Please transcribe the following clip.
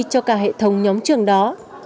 cho cả hệ thống nhóm trường đó